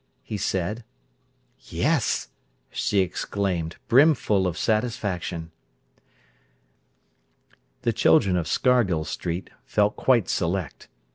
he said. "Yes!" she exclaimed, brimful of satisfaction. The children of Scargill Street felt quite select.